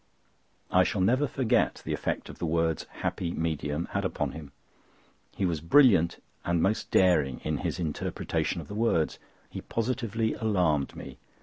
I shall never forget the effect the words, "happy medium," had upon him. He was brilliant and most daring in his interpretation of the words. He positively alarmed me.